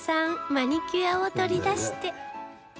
マニキュアを取り出して